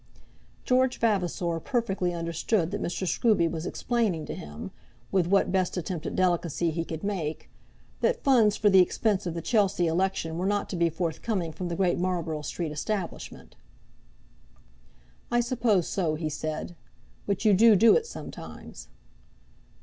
George Vavasor perfectly understood that Mr. Scruby was explaining to him, with what best attempt at delicacy he could make, that funds for the expense of the Chelsea election were not to be forthcoming from the Great Marlborough Street establishment. "I suppose so," said he. "But you do do it sometimes."